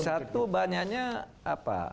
satu banyaknya apa